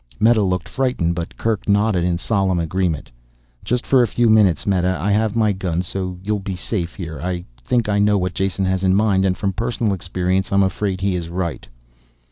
Meta looked frightened, but Kerk nodded in solemn agreement. "Just for a few minutes, Meta. I have my gun so you will be safe here. I think I know what Jason has in mind, and from personal experience I'm afraid he is right."